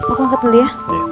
aku angkat dulu ya